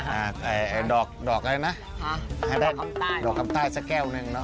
น้ำชาดอกอะไรนะให้ได้ดอกคำใต้สักแก้วหนึ่งนะ